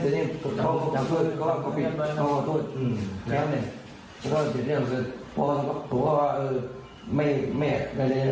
ด้วยประเมินเครียร์